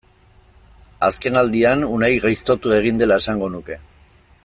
Azkenaldian Unai gaiztotu egin dela esango nuke.